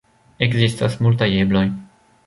Ekzistas multaj ebloj.